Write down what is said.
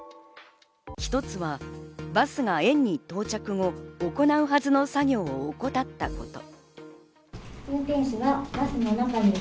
１つはバスが園に到着後、行うはずの作業を怠ったこと。